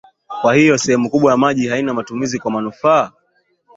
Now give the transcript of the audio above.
Kwa hiyo sehemu kubwa ya maji haina matumizi kwa manufaa